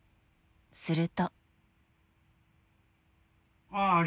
［すると］